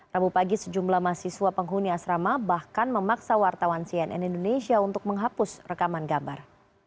rabu pagi sejumlah mahasiswa penghuni asrama bahkan memaksa wartawan cnn indonesia untuk menghapus rekaman gambar